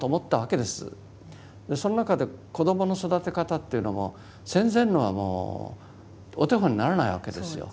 その中で子どもの育て方っていうのも戦前のはもうお手本にならないわけですよ。